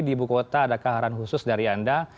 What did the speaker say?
di ibu kota ada keharan khusus dari anda